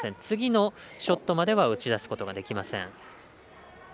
次のショットまでは打ち出すことができません。